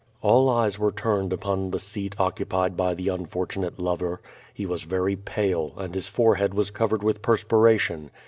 All eyes were tufned upon the seat occupied by the unfor tunate lover. He was very pale, and his forehead was covered with perspiration.